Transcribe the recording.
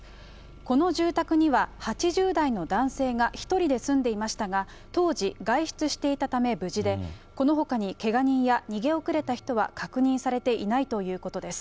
この住宅には８０代の男性が１人で住んでいましたが、当時、外出していたため無事で、このほかにけが人や逃げ遅れた人は確認されていないということです。